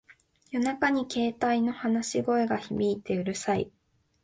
夜中に携帯の話し声が響いてうるさい